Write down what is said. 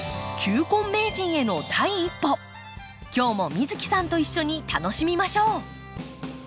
今日も美月さんと一緒に楽しみましょう。